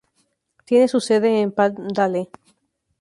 Tiene su sede en Palmdale.